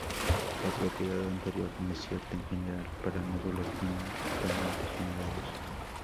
La propiedad anterior no es cierta en general para módulos finitamente generados.